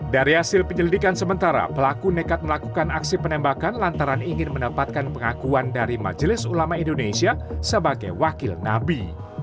dari hasil penyelidikan sementara pelaku nekat melakukan aksi penembakan lantaran ingin mendapatkan pengakuan dari majelis ulama indonesia sebagai wakil nabi